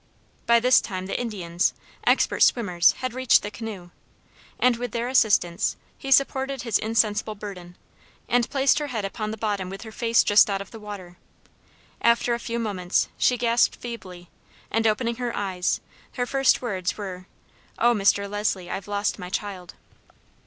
By this time the Indians expert swimmers had reached the canoe; and, with their assistance, he supported his insensible burden, and placed her head upon the bottom with her face just out of water. After a few moments, she gasped feebly, and, opening her eyes, her first words were, "Oh, Mr. Leslie, I've lost my child!"